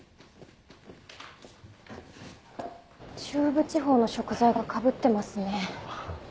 中部地方の食材がかぶってますね。